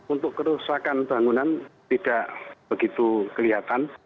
untuk kerusakan bangunan tidak begitu kelihatan